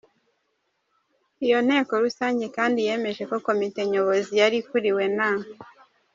Iyo nteko rusange kandi yemeje ko komite nyobozi yari ikuriwe na